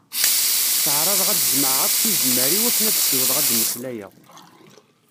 Tteɛraḍeɣ ad d-jemmɛeɣ akk tizemmar-iw akken ad ssiwḍeɣ ad d-mmeslayeɣ.